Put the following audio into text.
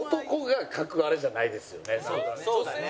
そうだね。